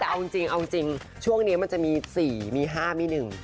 แล้วเอาจริงช่วงนี้มันจะมี๔มี๕มี๑